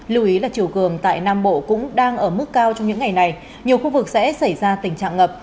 lưu ý là chiều cường tại nam bộ cũng đang ở mức cao trong những ngày này nhiều khu vực sẽ xảy ra tình trạng ngập